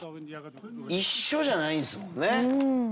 一緒じゃないんですもんね。